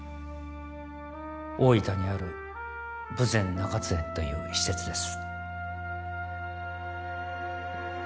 大分にある豊前中津園という施設です